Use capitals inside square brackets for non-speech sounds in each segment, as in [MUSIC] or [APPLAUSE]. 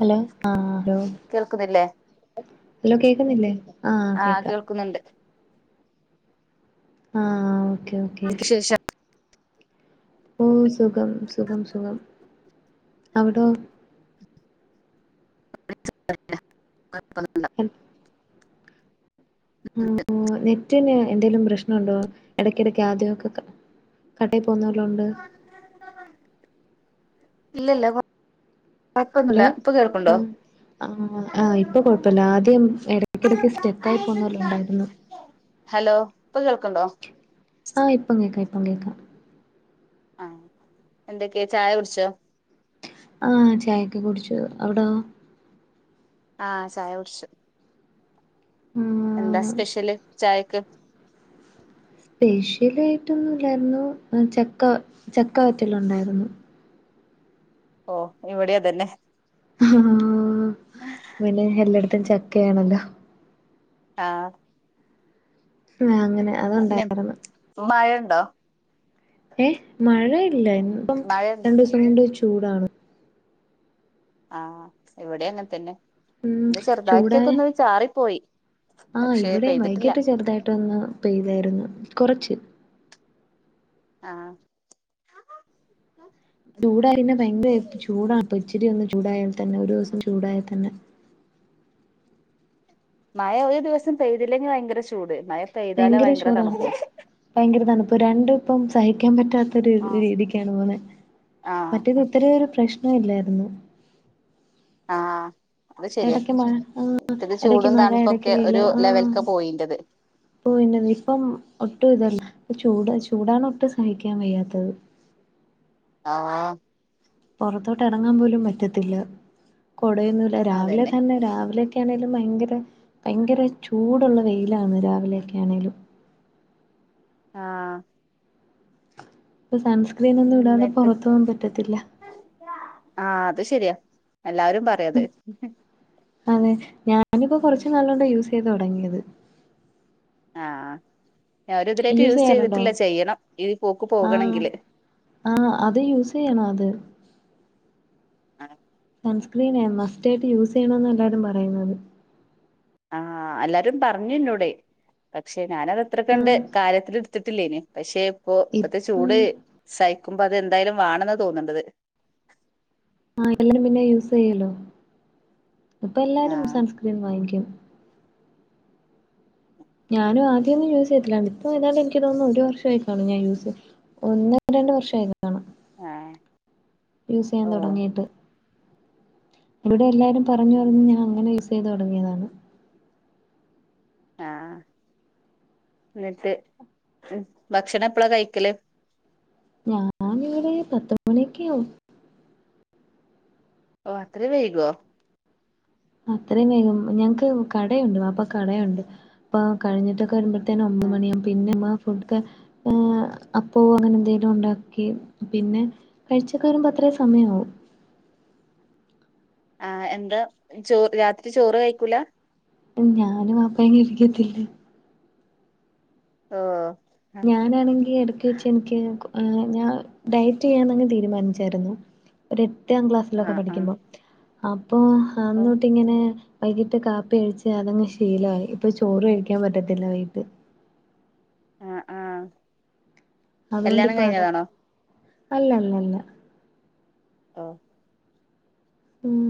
Hello ആ hello കേൾക്കുന്നില്ലേ hello കേക്കുന്നില്ലേ ആ ആഹ് കേക്കാം കേൾക്കുന്നുണ്ട് ആ ഓക്കെ ഓക്കേ ഓ സുഖം സുഖം സുഖം അവിടോ [UNINTELLIGIBLE] കൊഴപൊന്നും ഉം ഉം ഉം നെറ്റിന് എന്തെലും പ്രശ്നുണ്ടോ ഇടക്കടക്ക് ആദ്യമൊക്കെ കട്ടായി പോകുന്നോലെണ്ട് [UNINTELLIGIBLE] ഇല്ല ല്ല ഹലോ ആ ആ ആ ഇപ്പൊ കൊഴപ്പല്ല ആദ്യം എടക്കടക്ക് സ്റ്റെക്ക് ആയി പോന്നോലെണ്ടായിരുന്നു ഹലോ ഇപ്പൊ കേൾക്കണ്ടോ [UNINTELLIGIBLE] ആ ഇപ്പം കേക്ക കേക്കാം ആഎന്തൊക്കെ ചായ കുടിച്ചോ ആ ചായക്കെ കുട്ച്ചു അവടൊ ആ ചായ കുടിച് എന്താ ആഹ് സ്പെഷ്യല് ചായക്ക് പെഷ്യൽ ആയിട്ടൊന്നുംല്ലായിരുന്നു ചക്ക ചക്കവറ്റലുണ്ടായിരുന്നു ഓ ഇവിടെയതന്നെ ആഹാ [UNINTELLIGIBLE] ഇത്ത ചക്കയാണല്ലോ ആഹ ആ അങ്ങനെ അതുണ്ടായിരുന്നു മഴുണ്ടോ ഏ മഴ ഇല്ല ഇപ്പം മഴ രണ്ടൂസം കൊണ്ട് ചൂടാണ് ആഹ എവിടെ അങ്ങനെ തന്നെ ഉം ഇന്ന് ചൂടായ ചെറുതാക്കട്ടിയൊക്കെ ഒന്ന് ചാറിപ്പോയി ആഹ് പക്ഷെ ഇവിടെ പെയ്തിട്ടില്ല കുറച്ച് ആഹ ചൂടായി ചൂടായ തന്നെ ഒരു ദിവസം ചൂടായി തന്നെ മഴ ഒരു ദിവസം പെയ്തില്ലെങ്കിൽ ഭയങ്കര ചൂട് മഴ പെയ്താലാ ഭയങ്കര ഭയങ്കരഷോറാണ് തണുപ്പ് ഭയങ്കര തണുപ ഇൊ രണ്ട ഇപ്പം സഹിക്കാൻ പറ്റും പത്ത ആഹ് രീതിക്കാണ് പോന്ന മറ്റത് ഇത്ര പ്രശ്ന ഇല്ലായിരുന്നു ആഹ ഇടക്ക് മഴ ആ ഇടക്ക് മഴ ഇടക്ക് തണുപ്പൊക്കെ വെൽ ഒരു ആ ലെവൽക്ക പോയിന്റത് പോന്ന ഇപ്പം ഒട്ടും ഇതല്ല ചൂട് ചൂടാണ് ഒട്ടും സഹിക്കാൻ വയ്യാത്തത് ആഹ പുൊറത്തോട്ട് ഇറങ്ങാൻ പോലും പറ്റത്തില്ല കൊടയൊന്നല്ല രാവിലെ അതന്നെ തന്നെ രാവിലെ ആണെലും ഭയങ്കര ഭയങ്കര ചൂടുള്ള വെയിലാണ് രാവിലെയൊക്കൊണേലും ആഹ സമസ ന്നിട്ട് ആഹ അത് ശരിയാ എല്ലാരും പറയത് അതെ ഞാ നിപ്പോ കുറച്ച് നല്ലണ്ട് യൂസ് തുടങ്ങിയത് ആ.... യൂസ് ചെയ്യാറുണ്ടോ ഈ പോക്ക് ആ പോകണെങ്കില് ആ അത് യൂസ് ചെയ്യണംഅത് അ സൺസ്ക്രീന മസ്റ്റ് ആയിട്ട് യൂസ് ചെയ്യണന്ന് എല്ലാരും പറയുന്നത് ആ എല്ലാരും പറഞ്ഞുനോട്‌ പക്ഷെ ഞാനത് അത്രക്കണ്ട് ആഹ് കാര്ത്തിൽ ഇ ടുത്തിട്ടില്ലെന്ന് പക്ഷെ ഇപ്പൊ ഇപ് ഇപ്പത്തെ ചൂട് ഉം സൈ [UNINTELLIGIBLE] അത് എന്തായാലും വേണെന്ന് തോന്നണ്ടത് ആ [UNINTELLIGIBLE] പിന്നെ യൂസ് ചെയ്യല്ലോ ഇപ്പൊ എല്ലാരും ആഹ് സൺസ്ക്രീൻ വാങ്ങിക്കും ഞാനും ആദ്യന്നും യൂസ് ചെയ്യത്തില്ലന്ന് ഇപ്പം ഏതാണ്ട് എനിക്ക് തോന്നുന്നു ഒരു വർഷംമായിക്കാണ് ഞാൻ യൂസ് ഒന്ന് രണ്ട് വർഷായി ആഹ് യൂസ് ചെയ്യാൻ ഓ തുടങ്ങിയിട്ട് ഇവിടെ എല്ലാരും പറഞ്ഞു ഉം പറഞ്ഞു ഞാൻ അങ്ങനെ യൂസ് [UNINTELLIGIBLE] യ്തു തുടങ്ങിയതാണ് ആ ന്നിട്ട് ഭക്ഷണം എപ്പളാ കഴിക്കല് ഞാൻ ഇവിടെ പത്തുമണിയക്കെ ആവും ഓ അത്ര വൈകോ അത്രയും വേഗം ഞങ്ങൾക്ക് കടയുണ്ട് വാപ്പക്ക് കടയുണ്ട് അപ്പൊ കഴിഞ്ഞിട്ടൊക്കെ വരുമ്പ അ ഒമ്പത് ആഹ് മണിയാവും പിന്നെമ്മ ഫുഡ അപ്പ അങ്ങനെ എന്തെലും ഉണ്ടാക്കി പിന്നെ കഴിച്ചക്കെ വരുമ്പോ അത്രേ സമയാവും ആ എന്താ ചോ രാത്രി ചോറ് കഴിക്കൂല ഞാനും അപ്പങ്ങ് ഇരിക്കത്തില്ലേ ഓ ആഹ് ഞാനാണെങ്കി ഇടക്ക് വെച്ച് എനിക്ക് [UNINTELLIGIBLE] ഞാൻ ഡയറ്റ് ചെയ്യാന്നങ്ങ് തീരുമാനിച്ചായിരുന്നു ഒരു പത്താം ക്ലാസ്സിലൊക്കെ ആഹ് ആഹ് പഠിക്കുമ്പോ ആം ഇപ്പൊ ഓ അന്നോട്ട് ഇങ്ങനെ വൈകിട്ട് കാപ്പി കഴിച്ച് അതങ്ങ് ശീലമായി ഇപ്പൊ ചോറും കഴിക്കാൻ പറ്റത്തില്ല വൈകിട്ട് ആ ആ കല്യാണം അതുകൊണ്ടിപ്പോ അത കഴിഞ്ഞതാണോ അല്ലല്ലല്ല ഓ ഉം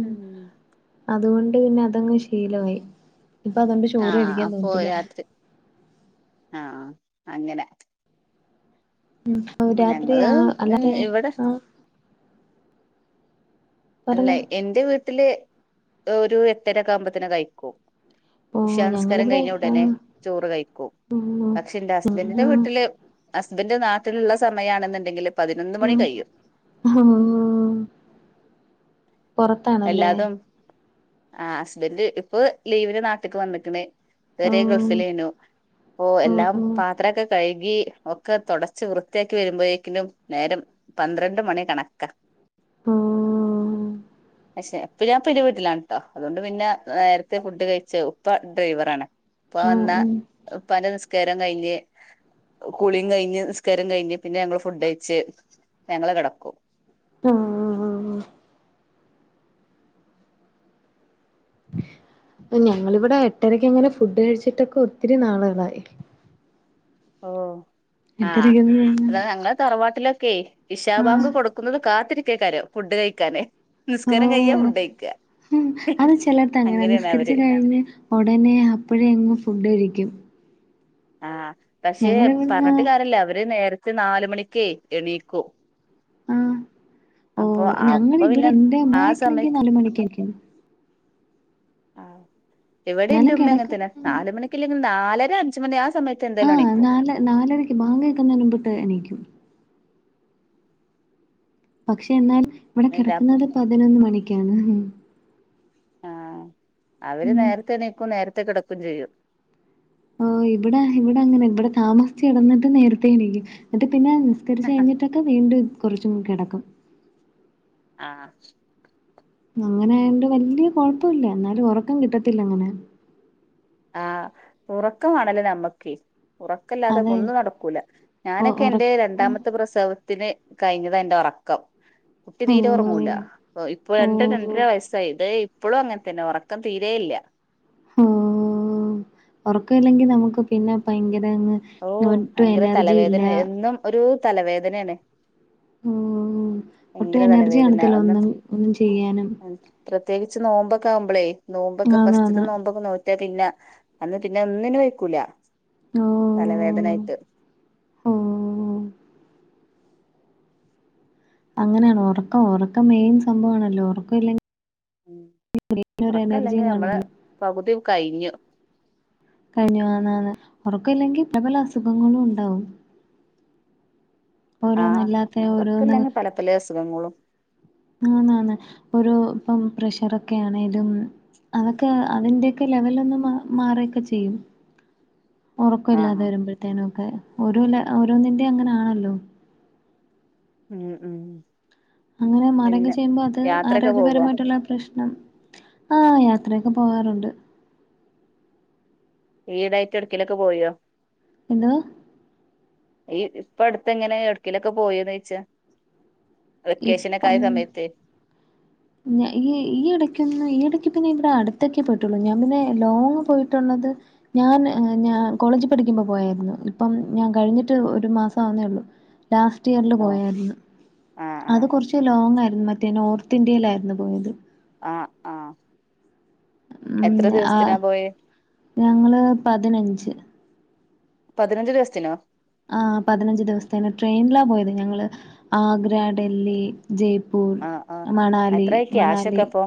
അതുകൊണ്ട് ണ്ട് പിന്നെ അതങ്ങ് ശീലമായി ഇപ്പൊ അതൊണ്ട് ചോറ് കഴിക്കാൻ തോന്നത്തില്ല ആഹ അങ്ങനെ. ഉം രാത്രി ഞങ്ങള് ആ ഉം അല്ലതെ ഇവിടെ ആ അല്ലെ പറഞ്ഞോ എന്റെ വീട്ട് ട്ടില് ഒരു എട്ടരോക്കാവുമ്പോത്തിന് കഴിക്കും. ഓ ഇഷാനിസ്കാരം ഞങ്ങളിവിടെ കഴിഞ്ഞ ആ ഉടനെ ചോറ് കഴിക്കും ഓ പക്ഷെ എന്റെ ആ ഹസ്ബന്റിന്റെ ആ വീട്ടില് ഹസ് ഇതിന്റെ നാട്ടിലുള്ള സമയാ ണെന്നുണ്ടെങ്കില് ഉം ഉം പൊറത്താണല്ലേ. ആഹ് ഹസ്ബന്റ് ഇപ്പൊ ലീവിന് നാട്ട്ക്ക് വന്ന്ക്ണ്. ഓ ഇതെരെ ഗൾഫിലേനു ഓ ഇപ്പൊഎല്ലാം ഓ പാത്രെക്കെ കഴുകി. ഒക്കെ തൊടച്ച് വൃത്തിയാക്കി വരുമ്പഴേക്കിനും നേരം പന്ത്രണ്ട് മണി കണക്ക ഉം ച്ചെ എപ്പൊ ഞാൻ പ്പ ഇന്റെ വീട്ടിലാണ് ട്ടോ അതുകൊണ്ട് പിന്നെ നേരത്തെ ഫുഡ് കഴിച്ച ഉപ്പ ഡ്രൈവറാണ്. ഉപ്പ ആ വന്നാ ആ ഉപ്പാന്റെ നിസ് നിസ്‌കാരം കഴിഞ്ഞ് കുളീം കഴിഞ്ഞ് നിസ്‌കാരം കഴിഞ്ഞ് പിന്നെ ഞങ്ങള് ഫുഡ്ഴിച്ച് ഞങ്ങള്കടക്കും. ഉം ഉം ഉം ഞങ്ങളിവിടെ എട്ടരക്ക് എങ്ങനെ ഫുഡ് കഴിച്ചിട്ടൊക്കൊ ഒത്തിരി നാളുകളായി. ഓഹ് ആഹ് എട്ടരക്കൊന്നും അതാ ഞങ്ങള് തറവാട്ടില് ക്കെ ഇഷാബാങ്ക് ആ കൊടുക്കുന്നത് കാത്തിരി ക്കേകാരം ഫുഡ് കഴിക്കാന്. നിസ്കാരം കഴിയാ ഓഹ് ഫുഡ് കഴിക്കാ അത് ചിലട്ത്ത് അങ്ങനെ അങ്ങനെയാണ് നിസ്കരിച്ച് അവര് കഴിഞ്ഞ് ഉടനെ അപ്പഴേ അങ് ഫുഡ്കഴിക്കും. ആഹ് പക്ഷെ ഞങ്ങളിവിടുന്ന് പർഞ്ഞിട്ട് കാര്യല്ല അവര് നേര ത്തെ നാലുമണിക്കേ എണീക്കും. ആഹ് അപ്പൊ ഓഹ് അപ്പൊ ഞങ്ങളിവിടെ പിന്നെ എന്റെ ആ ഉമ്മായൊക്കെയാണെങ്കി സമയത്ത് നാലുമണിക്കണീക്കും. ആഹ് ഇവിടെന്റെ എന്നാലും കിടക്കും ഉമ്മങ്ങൻതന്നെ നാല് മണിക്ക് ഇല്ലെങ്കി നാലര അഞ്ചുമണി ആ സമയത്ത് എന്തായാലും ആഹ് എണീക്കും നാല് നാലരക്ക് ബാങ്ക് കേക്കുന്നതിന് മുമ്പൊക്കെ എണീക്കും. പക്ഷെ എന്നാൽ ഇവിടെ എന്താപ്പം കിടക്കുന്നത് പതിനൊന്ന് മണിക്കാണ്. ആഹ് അവര് ഉം നേരത്തെ എണീക്കും നേര നേരത്തെ കേടക്കും ചെയ്യും ഓഹ് ഇവിടെ ഇവിടെ അങ്ങനെ ഇവിടെ താമസിച്ച് കിടന്നിട്ട് നേരത്തെ എണീക്കും എന്നിട്ട് പിന്നെ നിസ്കരിച്ചു കഴിഞ്ഞിട്ടൊക്കെ വീണ്ടും കുറച്ചൊന്ന് കെടക്കും ആഹ് അങ്ങനെ ആയോണ്ട് വല്യ കൊഴപ്പവില്ല എന്നാലും ഒറ ക്കം കിട്ടത്തില്ല അങ്ങനെ ആ ഉറക്കമാണല്ലോ നമ്മക്ക് ഉറക്കല്ലാതെ അതെ ഒന്നും നടക്കൂല ഒ ഞാനൊക്കെ ഒറ എന്റെ രണ്ടാമത്തെ പ്രസവ ത്തിന് കഴിഞ്ഞതാ എന്റെ ഒറക്കം കുട്ടി ഹോ തീരെ ഒറങ്ങുല ഇപ്പൊ ഓ രണ്ട് രണ്ടഅര വയസായി ദേ ഇ ഇപ്പളും അങ്ങനെ തന്നെ ഒറക്കം തീരെയില്ല ഓ ഒറക്ക ഇല്ലെങ്കി ന നമുക്ക് പിന്നെ ഭയങ്കരങ്ങ് ഓ ഒട്ടും എനർജി ഇല്ല തലവേദനആണ് ഓ ഒട്ടും എനർജി കാണത്തില്ല ഒന്നും ഒന്നും ചെയ്യാനും പ്രത്യേകിച്ച് നോമ്പൊക്ക ആവ്മ്പളേ നോമ്പ് ഒക്കെ ഫസ്റ്റ് ആന്നാന്ന് നോമ്പ്ഒക്കെ നോ പിന്നെ അന്ന് പിന്നെ ഒന്നിനും വ കുല ഓ തലവേദനആയിട്ട് ഓ അങ്ങനാണ് ഒറക്കം ഒറക്കം മെയിൻ സംഭവാണല്ലോ ഒറക്കം ഇല്ലെങ്കി ഉം ഒരു ഒറക്കല്ലെങ്കി എനർജിയും കാണത്തില്ല. നമ്മളെ പഗുതി കയ്ഞു കഴ്‌ഞ്ഞു വെന്നാണ് ഒറക്കില്ലെങ്കി പ്രപല അസുഖങ്ങളും ഉണ്ടാവും ഓരോന്ന് അല്ലാത്തെ ഓരോന്ന് ഖങ്ങളും ആന്ന് ആന്ന് ഒരു ഇപ്പം പ്രഷറൊക്കെ ആണേലും അതൊക്കെ അതിന്റെയൊക്കെ ലെവല് ഒന്ന് മാറ്ഒക്കെ ചെയ്യും ഒറക്കം ആഹ് ഇല്ലാതെ ആഹ് വരുമ്പോഴത്തേനുനൊക്കെ ഓരോ ല ഓരോന്നിന്റെ അങ്ങനാണല്ലോ ഉം ഉം അങ്ങനെ മാറ്ക്കെ പിന്നെ ചെയ്യുമ്പോ അത് യാത്രയൊക്കെ പോകോ ആരോഗ്യപരമായിട്ടുള്ള പ്രശ്നം ആഹ് യാത്രയൊക്കെ പോവാറൊണ്ട് ഈടായിട്ട് എടുക്കെ കിലൊക്കെ പോയോ എന്തുവോ ഈ ഇപ്പ അടുത്ത് എങ്ങനെ എട് ക്കയിലൊക്കെ പോയന്ന് ചോയിച്ച ഇപ്പം ഈ ഈ എടയ്ക്കന്ന് ഈട പിന്നെ ഇവിട അടുത്തക്കെ പോയിട്ടുള്ളു ഞാൻ പിന്നെ ലോങ് പോയിട്ടുള്ളത് ഞാൻ ഞ കോളേജ് പഠിക്കുമ്പോ പോയായിരുന്നു ഇപ്പം ഞാൻ കഴിഞ്ഞിട്ട് ഒരു മാസം ആവുന്നേള്ളു ലാസ്റ്റ് ഇയറിൽ ഓഹ് പോയായിരുന്നു ആഹ് അത് ആഹ് കുറച്ച് ലോങ് ആയിരുന്നു മറ്റേ നോർത്ത് ഇന്ത്യയിലായിരുന്നു ന്ന് പോയത് ആ ആ മം ആഹ് ഞങ്ങള് പതിനഞ്ച് പതിനഞ്ച് ദിവസത്തിനോ ആഹ് പതിനഞ്ച് ദിവസത്തിന് ട്രെയിനിലാ പോയത് ഞങ്ങള് ആഗ്ര ഡൽഹി ജയ്പൂർ ആഹ് ആഹ് മണാലി എത്രായി മണാലി ക്യാഷൊക്കെ അപ്പൊ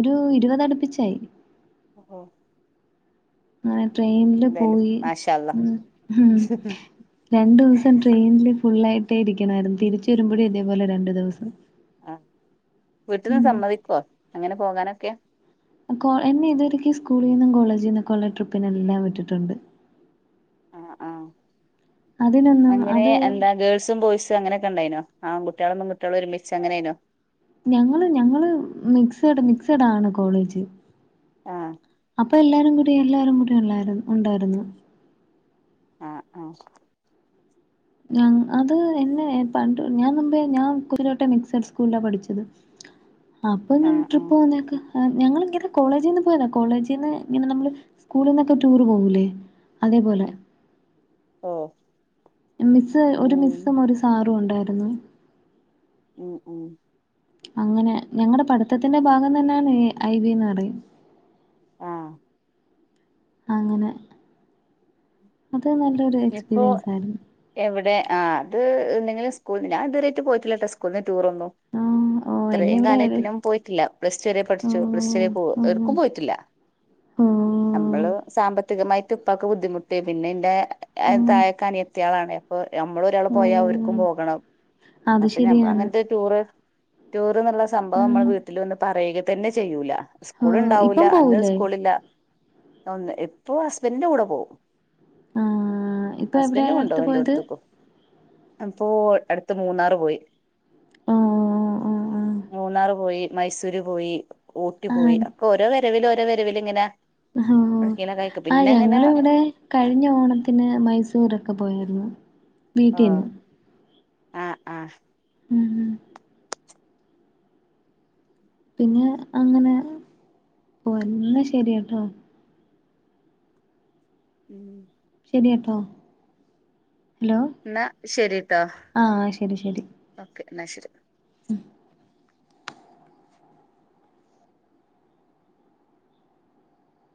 ഒരു ഇരുപത് അടുപ്പിച്ചായി ഓഹ് അങ്ങനെ ട്രെയിനില് എന്തായാലും പോയി മാഷാ അല്ലാഹ് ഉം രണ്ടുസം ട്രെയിനില് ഫുള്ളായിട്ടേ ഇരിക്കണായിരുന്നു തിരിച്ചു വരുമ്പോഴെ ഇതേപോലെ രണ്ടു ദവസം ആഹ് വീട്ടില് സമ്മതിക്കോ അങ്ങനെ പോകാനൊക്കെ എന്നെ ഇതുവരക്ക് സ്കൂളിൽ നിന്നും കോളേജിൽ നിന്നൊക്കെ ഉള്ള ട്രിപ്പിനെല്ലാം വിട്ടിട്ടുണ്ട് ആഹ് ആഹ് അതിനൊന്നും അങ്ങനെ അത് എന്താ ഗേൾസും ബോയ്സും അങ്ങനെയൊക്കെ ഉണ്ടായിനോ ആകുട്ടികളും പെൺകുട്ടികളും ഒരുമിച്ച് അങ്ങനെനോ ഞങ്ങള് ഞങ്ങള് മിക്സഡ് മിക്സടാണ് കോളേജ് ആ അപ്പോ എല്ലാരും കൂടി എല്ലാരും കൂടി ഉണ്ടായി ഉണ്ടായിരുന്നു ആഹ് ആഹ് ഞ അത് എന്നെ പണ്ട് ഞാൻ മുമ്പേ ഞാൻ കുതിരവട്ടം മിക്സഡ് സ്കൂളിലാ പഠിച്ചത് അപ്പോ ആഹ് ട്രിപ്പ് ആഹ് പോകുന്നക്കെ ഞങ്ങള് ഇങ്ങനെ - കോളേജിന്ന് പോയതാ കോളേജിന്ന് ഇങ്ങനെ നമ്മള് സ്കൂളിൽന്നൊക്കെ ടൂറ് പോകൂല്ലേ അതേപോലെ അങ്ങ് ഓ മിസ്സ് ഒരു മിസ്സും ഉം ഒരു സാറും ഉണ്ടായിരുന്നു ആന്ന [UNINTELLIGIBLE] ഉം ഉം അങ്ങനെ ഞങ്ങളടെ പഠിത്തത്തിന്റെ ഭാഗം തന്നെയാണ് ഐബിന്ന് പറയും ആഹ് അങ്ങനെ അത് നല്ലൊരു എക്സ്പീരിയൻസായിരുന്നു ആ അത് നിങ്ങൾ സ്കൂൽന്ന് ഞാൻ ഇതുവരെ ആയിട്ട് പോയിട്ടല്ലട്ടോ സ്കൂൾന്ന്- ടൂർ ന്നും ആ ഓ എന്നെ ഇത്രയും ഇവിടെ കാലത്തിലും പോയിട്ടില്ല പ്ലസ്ടു വരെ ഓ പഠിച്ചു പ്ലസ്ടു വരെ പോ ഉം എവിട്ക്കും ഓ പോയിട്ടില്ല ഓ നമ്മള് സാമ്പത്തികമായിട്ട്- ഉപ്പാക്ക് ബുദ്ധിമുട്ട് പിന്നെ എന്റെ- ഏഹ് ഉം താഴേക്കനിയത്തിയേളാണ്. ഞമ്മളൊരാള് ഓ പോയാ ഓര്ക്കും പോകണം. അത് അപ്പ ശരിയാണ് ഞമ്മളങ്ങൻത്തെ ടൂറ് ടൂ റ്ന്ന്ള്ള സംഭവം ഉം മ്മള വീട്ടില് വന്ന് പറയുകേ തന്നെ ചെയ്യൂല ഓ സ്കൂളിണ്ടാവൂല്ല ഇപ്പം അന്ന് പോവൂലേ സ്കൂളില്ല. ഒന്ന് ഇപ്പോ ഹസ്ബൻഡിന്റെ കൂടെ പോവും. ആ ആ ഇപ്പൊ എവിടെയാ അടുത്ത് പോയത് അപ്പോ അടുത്ത് മൂന്നാറ് പോയി ആഹ് മൂന്നാറ് പോയി മൈസൂര് പോയി ഊട്ടി പോയി ഒക്കോരോ വര രവിലോരോ വരവിലിങ്ങന ഹോ ആ ഞങ്ങളിവിടെ കഴിഞ്ഞ ഓണത്തിന് മൈസ് റ്റുറൊക്കെ പോയിരുന്നു വീട്ടീന്ന് ആ ആ മ്മ്മ്മ് പിന്നെ അങ്ങനെ പോയി എന്നാ ശരിയെട്ടോ മ്മ് ശരിയെട്ടോ ഹലോ ന്നാ ശരിട്ടോ ആ ശരി ശരി എന്ന ശരി മ്മ്